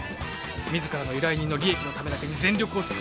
「自らの依頼人の利益のためだけに全力を尽くして戦う」